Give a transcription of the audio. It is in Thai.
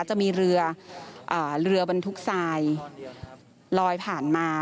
จะมีเรือเรือบรรทุกทรายลอยผ่านมา